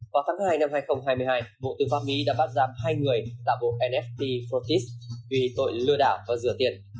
vào tháng hai năm hai nghìn hai mươi hai bộ tư pháp mỹ đã bắt giam hai người tạo bộ nft frotis vì tội lừa đảo và dừa tiền